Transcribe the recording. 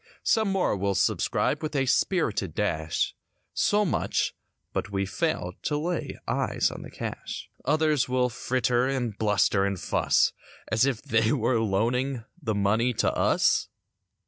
Some more will subscribe with a spirited dash. So much, but we fail to lay eyes on the cash. Others will fritter and bluster and fuss As if they were loaning the money to us.